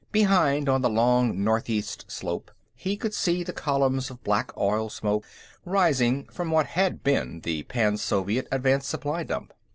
Behind, on the long northeast slope, he could see the columns of black oil smoke rising from what had been the Pan Soviet advance supply dump.